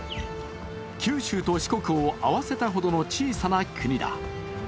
九州と四国を合わせたほどの小さな国だ。